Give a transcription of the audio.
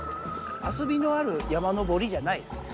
遊びのある山登りじゃない。